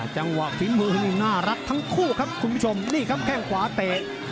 จังหวะฝีมือนี่น่ารักทั้งคู่ครับคุณผู้ชมนี่ครับแข้งขวาเตะ